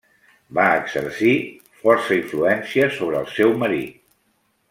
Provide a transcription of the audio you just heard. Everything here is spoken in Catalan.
Va exercir força influència sobre el seu marit.